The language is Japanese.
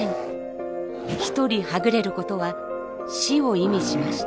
一人はぐれることは死を意味しました。